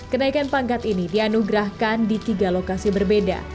kenaikan pangkat ini dianugerahkan di tiga lokasi berbeda